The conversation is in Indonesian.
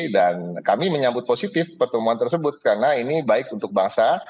dan kami menyambut positif pertemuan tersebut karena ini baik untuk bangsa